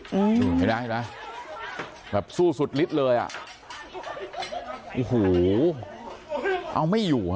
เห็นไหมเห็นไหมแบบสู้สุดฤทธิ์เลยอ่ะโอ้โหเอาไม่อยู่ฮะ